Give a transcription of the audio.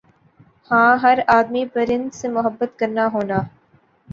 ہاں ہَر آدمی پرند سے محبت کرنا ہونا